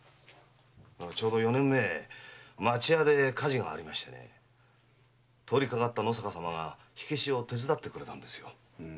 ちょうど四年前町家で火事があって通りかかった野坂様が火消しを手伝ってくれたんです。